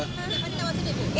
kepada tawas ini bu